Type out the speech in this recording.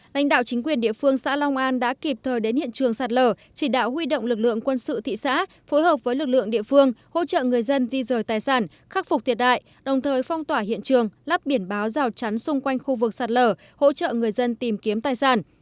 lãnh đạo chính quyền địa phương xã long an đã kịp thời đến hiện trường sạt lở chỉ đạo huy động lực lượng quân sự thị xã phối hợp với lực lượng địa phương hỗ trợ người dân di rời tài sản khắc phục thiệt hại đồng thời phong tỏa hiện trường lắp biển báo rào chắn xung quanh khu vực sạt lở hỗ trợ người dân tìm kiếm tài sản